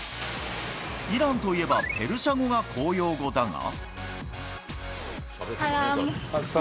イランといえばペルシャ語が公用語だが。